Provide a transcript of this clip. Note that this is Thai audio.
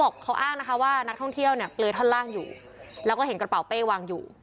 เขาอ้างนะคะว่านักท่องเที่ยวเนี่ยเปลือยท่อนล่างอยู่แล้วก็เห็นกระเป๋าเป้วางอยู่